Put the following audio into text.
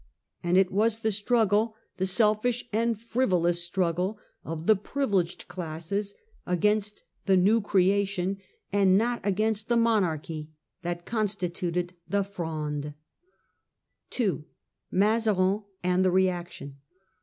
And it was the struggle, the selfish and frivolous struggle, of the privileged classes against the new creation, and not against the monarchy, that con stituted the Fronde. r6 Prelude to the Fronde. 1643. 2. Mazarin and the Reaction.